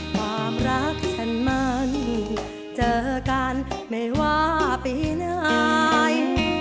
ความรักฉันมันเจอกันไม่ว่าปีไหน